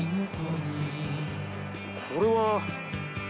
これは。